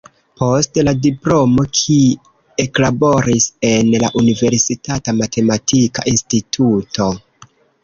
Post la diplomo ki eklaboris en la universitata matematika instituto.